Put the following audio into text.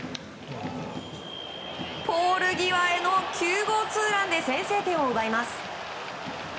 ポール際への９号ツーランで先制点を奪います。